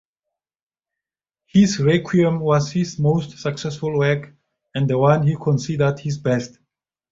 His "Requiem" was his most successful work, and the one he considered his best.